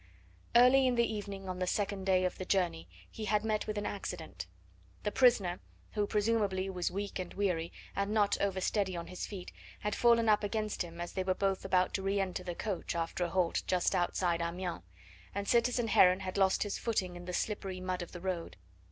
Early in the evening on the second day of the journey he had met with an accident. The prisoner, who presumably was weak and weary, and not over steady on his feet, had fallen up against him as they were both about to re enter the coach after a halt just outside Amiens, and citizen Heron had lost his footing in the slippery mud of the road.